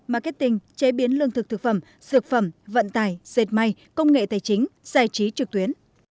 marketing chế biến lương thực thực phẩm dược phẩm vận tài dệt may công nghệ tài chính giải trí trực tuyến